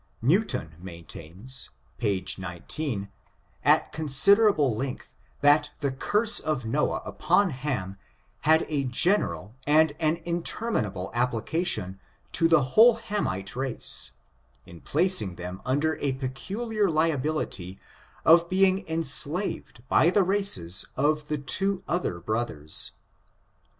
Newton maintains, page 19, at considerable length, that the curse of Noah upon Hanij had a general and an intermijiable application to the whole Hamite race, in placing them under a peculiar liability of being enslaved by the races of the two other brothers.